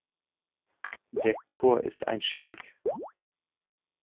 Der Chor ist einschiffig.